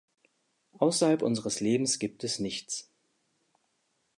Außerhalb unseres Lebens gibt es nichts.